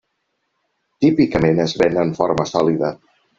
Típicament es ven en forma sòlida.